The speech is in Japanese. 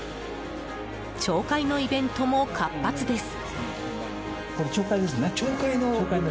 町会のイベントも活発です。